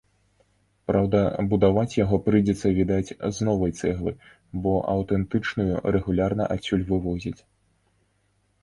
Праўда, будаваць яго прыйдзецца, відаць, з новай цэглы, бо аўтэнтычную рэгулярна адсюль вывозяць.